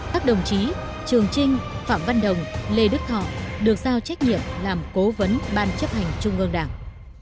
các đồng chí trường trinh phạm văn đồng lê đức thọ được giao trách nhiệm làm cố vấn ban chấp hành trung ương đảng